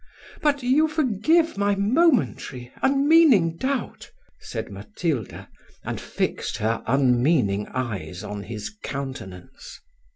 "But you forgive my momentary, unmeaning doubt?" said Matilda, and fixed her unmeaning eyes on his countenance.